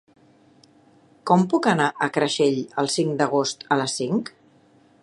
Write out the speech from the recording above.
Com puc anar a Creixell el cinc d'agost a les cinc?